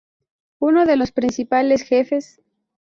Es uno de los principales jefes.